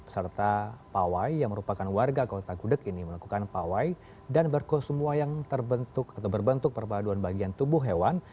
peserta pawai yang merupakan warga kota gudeg ini melakukan pawai dan berkosum wayang terbentuk atau berbentuk perpaduan bagian tubuh hewan